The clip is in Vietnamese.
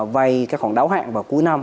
vây các khoản đáo hạn vào cuối năm